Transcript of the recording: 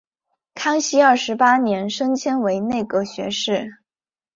康熙二十八年升迁为内阁学士。